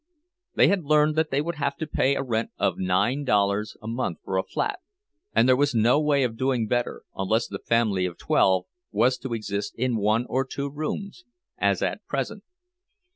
They had learned that they would have to pay a rent of nine dollars a month for a flat, and there was no way of doing better, unless the family of twelve was to exist in one or two rooms, as at present.